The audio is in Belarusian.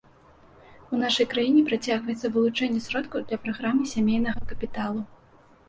У нашай краіне працягваецца вылучэнне сродкаў для праграмы сямейнага капіталу.